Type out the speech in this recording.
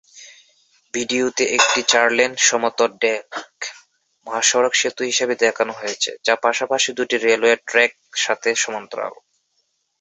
ভিডিওতে একটি চার-লেন, সমতল ডেক মহাসড়ক সেতু হিসাবে দেখানো হয়েছে যা পাশাপাশি দুটি রেলওয়ের ট্র্যাক সাথে সমান্তরাল।